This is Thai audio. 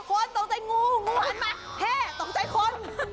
โอ้โฮคนตกใจงูงูหามาเฮ่ตกใจคน